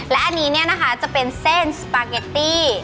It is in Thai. และอันนี้เนี่ยนะคะจะเป็นเส้นสปาเกตตี้